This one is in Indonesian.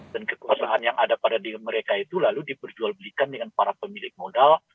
dan kekuasaan yang ada pada mereka itu lalu diperjualbelikan dengan para pemilik modal